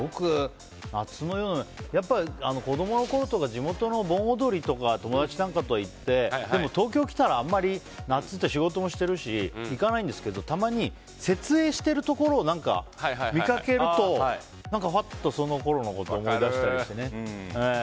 子供の頃とか地元の盆踊り友達と行ってでも、東京来たらあんまり夏って仕事もしているし行かないんですけどもたまに設営してるところを見かけるとその頃のことを思い出したりして。